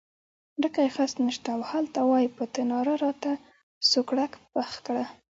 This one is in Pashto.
ډکی خس نشته او هلته وایې په تناره راته سوکړک پخ کړه.